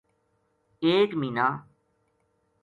ایک مہینہ